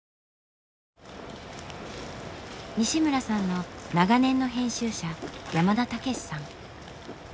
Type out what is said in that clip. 西村さんの長年の編集者山田剛史さん。